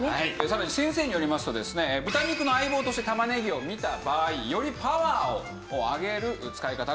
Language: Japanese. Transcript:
さらに先生によりますとですね豚肉の相棒として玉ねぎを見た場合よりパワーを上げる使い方があるそうです。